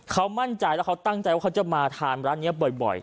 เขามั่นใจแล้วเขาตั้งใจว่าเขาจะมาทานร้านนี้บ่อย